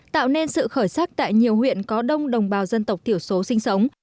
tạo nên sự khởi sắc tại nhiều huyện có đông đồng bào dân tộc thiểu số sinh sống